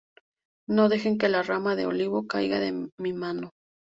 No dejen que la rama de olivo caiga de mi mano".